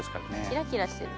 キラキラしてる。